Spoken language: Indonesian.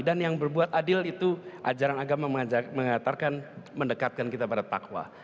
dan yang berbuat adil itu ajaran agama mengatakan mendekatkan kita pada taqwa